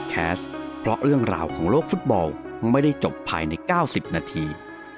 กล่าวของโลกฟุตบอลไม่ได้จบภายใน๙๐นาที